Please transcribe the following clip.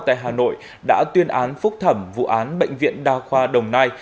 tại hà nội đã tuyên án phúc thẩm vụ án bệnh viện đa khoa đồng nai